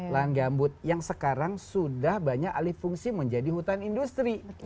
lahan gambut yang sekarang sudah banyak alih fungsi menjadi hutan industri